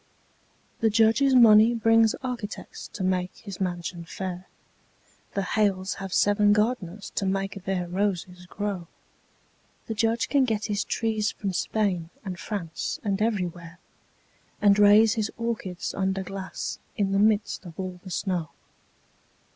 The Judge's money brings architects to make his mansion fair; The Hales have seven gardeners to make their roses grow; The Judge can get his trees from Spain and France and everywhere, And raise his orchids under glass in the midst of all the snow.